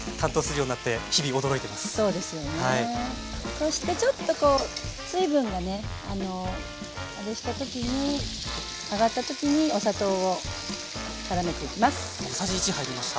そしてちょっとこう水分がね上がった時にお砂糖をからめていきます。